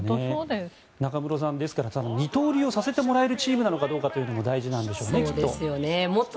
中室さん、二刀流をさせてもらえるチームなのかどうかも大事なんですよね、きっと。